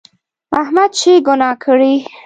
احمد چې ګناه کړي،